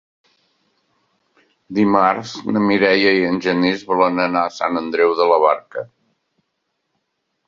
Dimarts na Mireia i en Genís volen anar a Sant Andreu de la Barca.